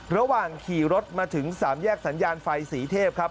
ระหว่างขี่รถมาถึงสามแยกสัญญาณไฟสีเทพครับ